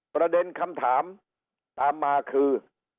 ประเด็นคำถามตามมาคือ